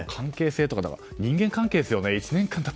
人間関係ですよね。